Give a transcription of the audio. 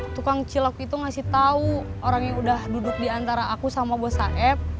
tukang cilok itu ngasih tau orang yang udah duduk diantara aku sama bos saeb